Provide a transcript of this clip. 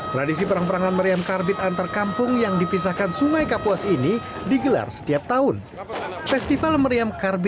ya sepanjang masyarakat masih mau dan tidak bertentangan selamat